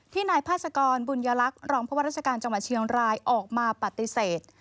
ที่นายภาษากรบุญลักษณ์รองบรรษการจังหวัดเชียงรายออกมาปฏิเสธ